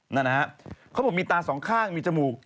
นั่นนะฮะเขาบอกมีตาสองข้างมีจมูก